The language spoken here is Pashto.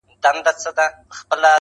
پیسه داره بس واجب د احترام دي-